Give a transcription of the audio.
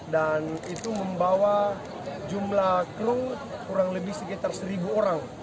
dan itu membawa jumlah kru kurang lebih sekitar seribu orang